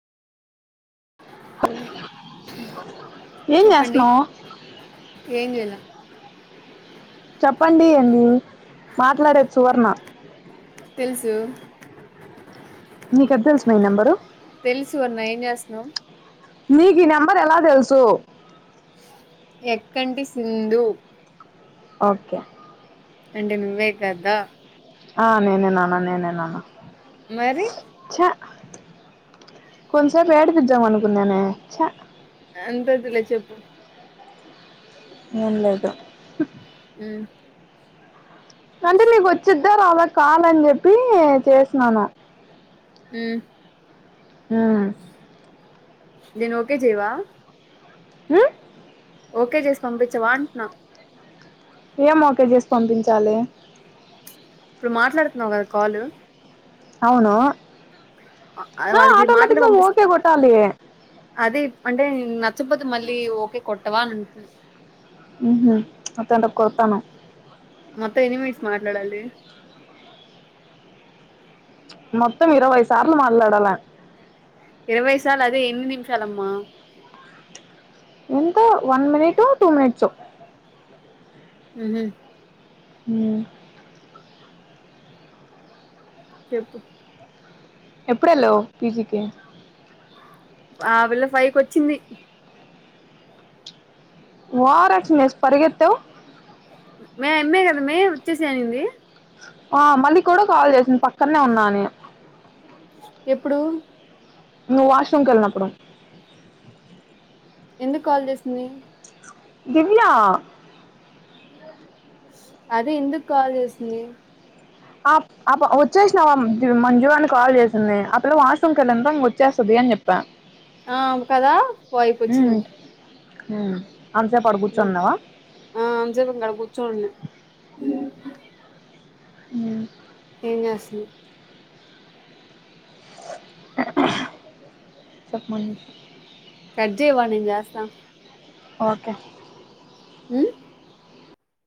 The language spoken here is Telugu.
ఏం చెప్పండి జెస్తున్నావ్ ఏం జేయల చెప్పండి అండి మాట్లాడేది సువర్ణ తెలుసు నీకు ఎట్ తెలుసు మె ఈ నెంబరు తెలు సువర్ణ ఏం జేస్తున్నావ్ నీకు ఈ నెంబర్ ఎలా తెలుసు ఎక్కంటి సింధు ఓకే అంటే నువ్వె కద్దా ఆ నేనే నాన నేనే నాన మరి కొంసేపు ఏడిపిద్దాం అనుకున్నానే ఛా అంత వద్దులే చెప్పు ఏం లేదు మ్ అంటే నీకు వచ్చిద్దా రాదా కాల్ అని చెప్పి చేసినాను ఉమ్ ఉమ్ దిను ఓకే చెయవా ఉమ్ ఓకే చేసి పంపించవా అంట్న్నా ఏం ఓకే చేసి పంపించాలి ఇప్పుడు మాట్లాడుతున్నావ్ గదా కాలు ఆ వాళ్ళకి ఇది మాట్లాడి ఆటోమేటిక్గా పంపిస్ ఓకే గొట్టాలి అదే అంటే నెన్ నచ్చపోతే మళ్ళీ ఓకే కొట్టవా అని అంటున్ మ్ హు అత్తంటె కొడతాను మొత్తం ఎన్ని మినట్స్ మాట్లాడాలి మొత్తం ఇరవై సార్లు మాట్లాడాలా ఇరవైసాలు అదే ఎన్ని నిమిషాలమ్మా ఎంతో వన్ మినటో టూ మినట్సో ఉహు ఉమ్ చెప్పు ఎప్పుడెళ్ళావ్ పీజీకి ఆ పిల్ల ఫై కొచ్చింది ఓవర్ యాక్షన్ చెసి పరిగెత్తావ్ మే ఆమ్మే గద మే వచ్చేసెయ్ అనింది ఆ మళ్ళీ కూడా కాల్ చేసింది పక్కనే ఉన్నా అని ఎప్పుడు నువ్ వాష్ రూమ్ కెళ్ళినప్పుడు ఎందుకు కాల్ చేసింది దివ్యా అదే ఎందుకు కాల్ చేసింది ఆప్ ఆప వచ్చేసినాం మంజు అని కాల్ చేసింది అ పిల్ల వాష్రూమ్కి వెళ్ళింత ఇంగ వచ్చేస్తది ఏం చెప్ప ఆ కదా ఫైవ్ ఉమ్, కొచ్చింది ఉమ్ అంతసేప్ ఆడ కూర్చోనున్నవా ఆ అంతసేపు అక్కడ కూర్చోనున్న మ్మ్ ఏం జేస్తున్ సప్మన్ కట్ జేవా నిన్ జేస్త ఓకే ఉమ్